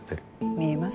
見えます？